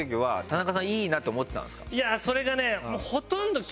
いやそれがね。